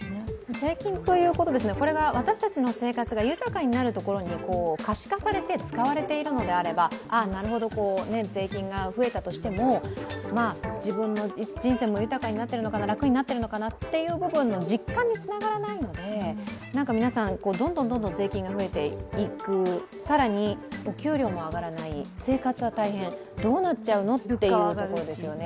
税金ということで、これが私たちの生活が豊かになるところに可視化されて使われているのであれば、あ、なるほど、税金が増えたとしても自分の人生も豊になってるのかな楽になっているのかなという部分の実感につながらないので皆さん、どんどん税金が増えていく更にお給料も上がらない生活は大変どうなっちゃうのというところですよね。